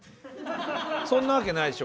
そんなわけないでしょ